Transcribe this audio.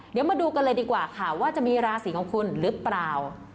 เดี๋ยวมาดูกันเลยดีกว่าค่ะว่าจะมีราศีของคุณหรือเปล่า